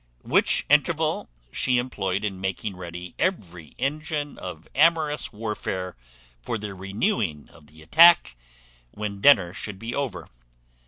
Which interval she employed in making ready every engine of amorous warfare for the renewing of the attack when dinner should be over.